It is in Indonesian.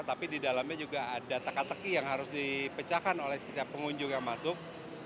tapi di dalamnya juga ada teka teki yang harus dipecahkan oleh setiap pengunjung yang masuk